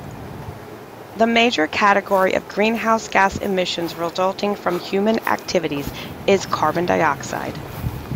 The major category of greenhouse gas emissions resulting from human activities is carbon dioxide.